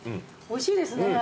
おいしいですね。